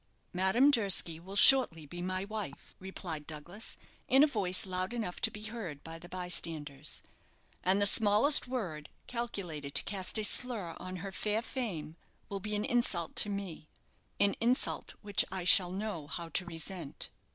"Madame Durski will shortly be my wife," replied Douglas, in a voice loud enough to be heard by the bystanders; "and the smallest word calculated to cast a slur on her fair fame will be an insult to me an insult which I shall know how to resent."